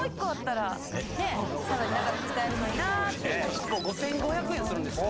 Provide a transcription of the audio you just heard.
１個５５００円するんですよ。